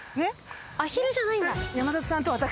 アヒルじゃないんだ。